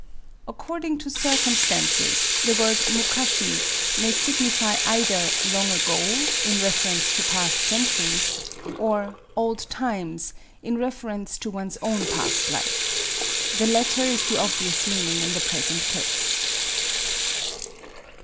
According to cir cumstances, the word mukashi may signify either "long ago," in reference to past centuries, or "old times," in reference to one's own past life. The latter is the obvious meaning in the present case.